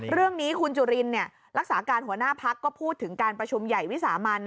เรื่องนี้คุณจุลินรักษาการหัวหน้าพักก็พูดถึงการประชุมใหญ่วิสามัน